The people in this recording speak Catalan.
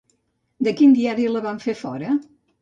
De quin diari la van fer fora?